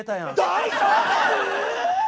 大丈夫ぅ